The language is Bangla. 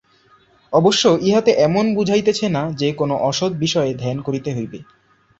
অবশ্য ইহাতে এমন বুঝাইতেছে না যে, কোন অসৎ বিষয় ধ্যান করিতে হইবে।